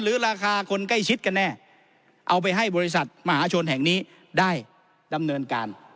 ราคาคนใกล้ชิดกันแน่เอาไปให้บริษัทมหาชนแห่งนี้ได้ดำเนินการ